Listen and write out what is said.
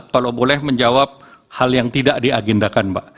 kalau boleh menjawab hal yang tidak diagendakan mbak